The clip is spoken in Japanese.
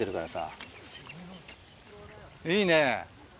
いいね。